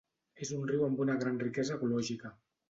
És un riu amb una gran riquesa ecològica.